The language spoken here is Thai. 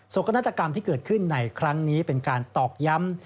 กนาฏกรรมที่เกิดขึ้นในครั้งนี้เป็นการตอกย้ำ